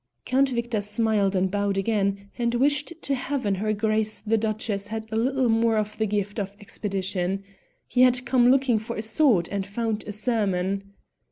Count Victor smiled and bowed again, and wished to heaven her Grace the Duchess had a little more of the gift of expedition. He had come looking for a sword and found a sermon.